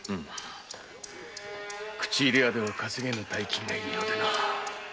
口入れ屋では稼げぬ大金が入り用でな。